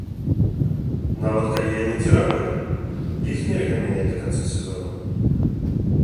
Нават калі яны дзіравыя, іх нельга мяняць да канца сезона.